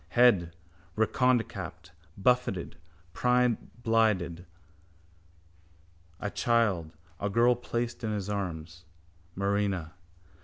Head, redconecapped, buffeted, brineblinded. —A child, a girl, placed in his arms, Marina.